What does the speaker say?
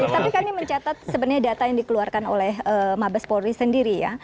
tapi kami mencatat sebenarnya data yang dikeluarkan oleh mabes polri sendiri ya